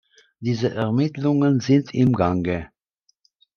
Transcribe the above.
Diese Ermittlungen sind im Gange.